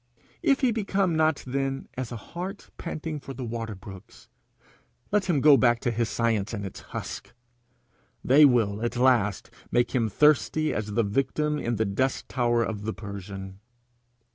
If he become not then as a hart panting for the water brooks, let him go back to his science and its husks: they will at last make him thirsty as the victim in the dust tower of the Persian.